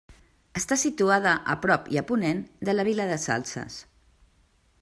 Està situada a prop i a ponent de la vila de Salses.